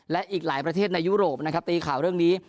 และอีกหลายประเทศในยุโรปนะครับตีข่าวเรื่องนี้